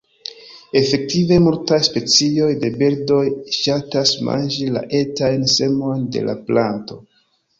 Efektive, multaj specioj de birdoj ŝatas manĝi la etajn semojn de la planto.